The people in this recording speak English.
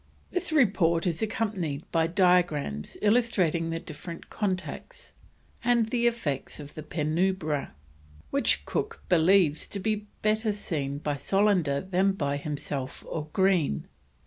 This report is accompanied by diagrams illustrating the different contacts and the effects of the penumbra, which Cook believed was better seen by Solander than by himself or Green.